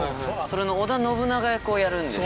それの織田信長役をやるんで。